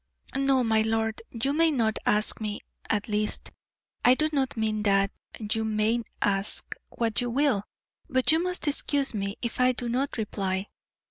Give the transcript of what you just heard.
"No, my lord, you may not ask me at least, I do not mean that you may ask what you will, but you must excuse me if I do not reply.